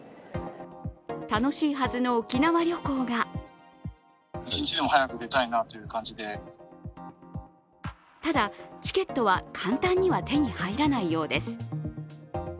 楽しいはずの沖縄旅行がただ、チケットは簡単には手に入らないようです。